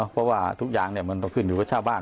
เพราะว่าทุกอย่างมันต้องขึ้นอยู่กับชาวบ้าน